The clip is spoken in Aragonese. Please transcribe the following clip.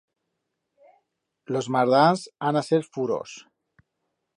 Los mardans han a ser furos.